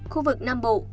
khu vực nam bộ